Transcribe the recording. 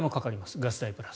ガス代プラス。